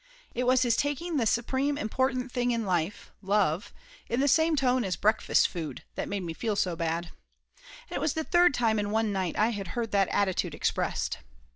It was his taking the supreme important thing in life love in the same tone as breakfast food, made me feel so bad. And it was the third time in one night I had heard that attitude expressed.